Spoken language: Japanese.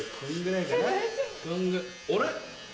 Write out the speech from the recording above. あれ？